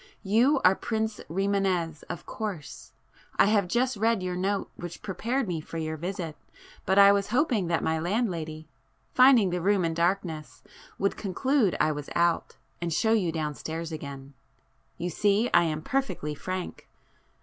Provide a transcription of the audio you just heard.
You are Prince Rimânez of course;—I have just read your note which prepared me for your visit, but I was hoping that my landlady, finding the room in darkness, would conclude I was out, and show you downstairs again. You see I am perfectly frank!"